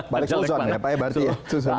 balik suzon ya pak ya berarti ya